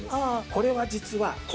これは実は。